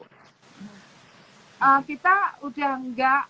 kita sudah melakukan